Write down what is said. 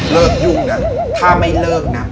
ยุ่งนะถ้าไม่เลิกนะ